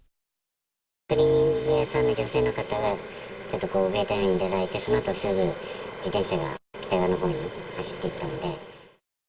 クリーニング屋さんの女性の方がちょっとに出られて、そのあとすぐ、自転車が北側のほうに走っていったので。